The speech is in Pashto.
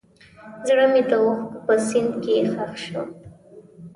زړه مې د اوښکو په سیند کې ښخ شو.